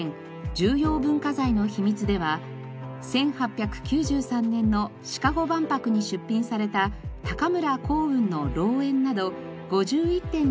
「重要文化財の秘密」では１８９３年のシカゴ万博に出品された高村光雲の『老猿』など５１点の作品を展示。